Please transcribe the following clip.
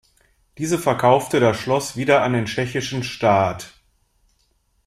Diese verkaufte das Schloss wieder an den tschechischen Staat.